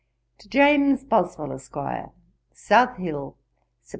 'TO JAMES BOSWELL, ESQ. 'Southill, Sept.